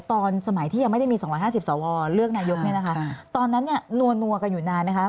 ตอนสมัยที่ยังไม่ได้มี๒๕๐สวเลือกนายกตอนนั้นนัวนัวกันอยู่นานไหมคะ